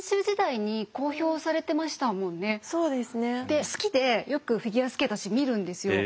で好きでよくフィギュアスケート私見るんですよ。